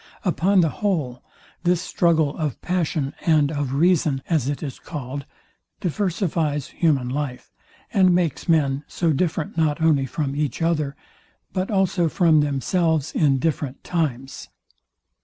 Upon the whole, this struggle of passion and of reason, as it is called, diversifies human life, and makes men so different not only from each other, but also from themselves in different times.